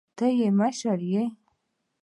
ته يې مشر يې.